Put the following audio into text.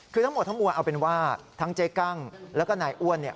คือทั้งหมดทั้งมวลเอาเป็นว่าทั้งเจ๊กั้งแล้วก็นายอ้วนเนี่ย